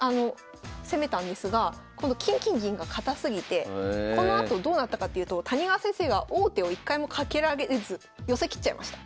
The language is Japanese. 攻めたんですがこの金金銀が堅すぎてこのあとどうなったかっていうと谷川先生が王手を一回もかけられず寄せ切っちゃいました。